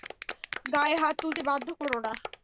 গায়ে হাত তুলতে বাধ্য কোরো না।